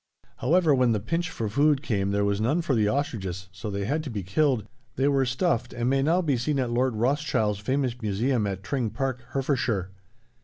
However, when the pinch for food came there was none for the ostriches, so they had to be killed; they were stuffed, and may now be seen at Lord Rothschild's famous museum at Tring Park, Hertfordshire.